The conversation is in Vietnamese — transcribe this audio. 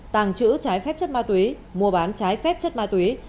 tàng trữ trái phép chất ma túy